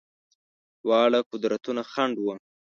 دواړه قدرتونه خنډ وه.